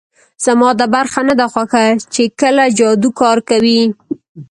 زما دا برخه نه ده خوښه چې کله جادو کار کوي